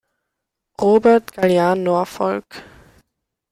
Robert Galliano Norfolk.